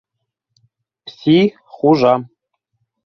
Пси хужа!